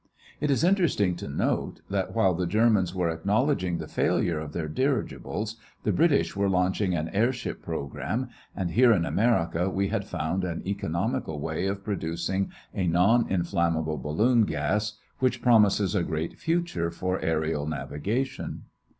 It is interesting to note that while the Germans were acknowledging the failure of their dirigibles the British were launching an airship program, and here in America we had found an economical way of producing a non inflammable balloon gas which promises a great future for aërial navigation.